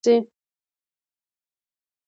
دا ټکی تر راتلونکي سرلیک لاندې راځي.